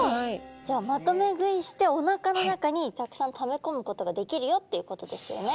じゃあまとめ食いしておなかの中にたくさんためこむことができるよっていうことですよね。